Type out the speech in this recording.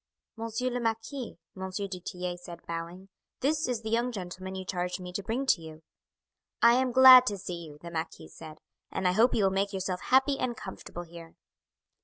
"Monsieur le Marquis," M. du Tillet said, bowing, "this is the young gentleman you charged me to bring to you. "I am glad to see you," the marquis said; "and I hope you will make yourself happy and comfortable here."